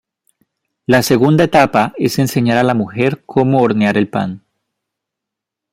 La segunda etapa es enseñar a la mujer cómo hornear el pan.